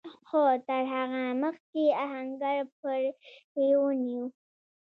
خو تر هغه مخکې آهنګر پړی ونيو.